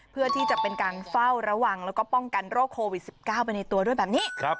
เพื่อที่จะเป็นการเฝ้าระวังแล้วก็ป้องกันโรคโควิด๑๙ไปในตัวด้วยแบบนี้